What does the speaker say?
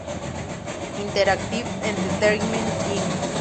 Interactive Entertainment, Inc.